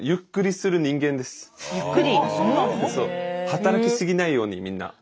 働き過ぎないようにみんな。